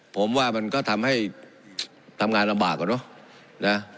ผมว่ามันก็ทำให้ทำงานลำบากอะเนาะ